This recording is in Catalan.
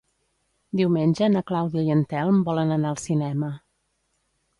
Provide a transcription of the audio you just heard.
Diumenge na Clàudia i en Telm volen anar al cinema.